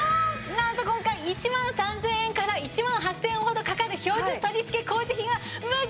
なんと今回１万３０００円から１万８０００円ほどかかる標準取り付け工事費が無料！